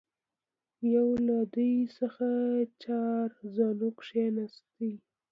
یو له دوی څخه چارزانو کښېنستی.